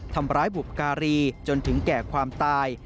ทำร้ายบุพการีจนถึงแก่ความตาย